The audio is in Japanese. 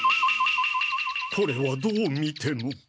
これはどう見ても。